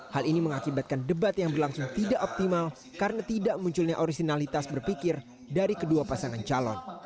hal ini mengakibatkan debat yang berlangsung tidak optimal karena tidak munculnya orisinalitas berpikir dari kedua pasangan calon